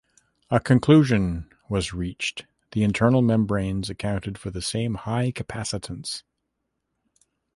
A conclusion was reached the internal membranes accounted for the same high capacitance.